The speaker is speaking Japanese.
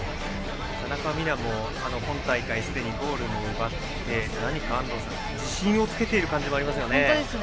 田中美南も今大会すでにゴールを奪って何か安藤さん、自信をつけている感じもありますよね。